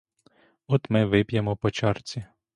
От ми вип'ємо по чарці.